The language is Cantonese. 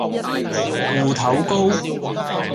芋頭糕